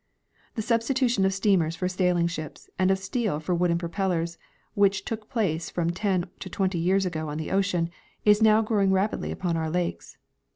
The substitution of steamers for sailing ships and of steel for wooden propellers, which took place from ten to twenty years ago on the ocean, is now going rapidly on upon our lakes.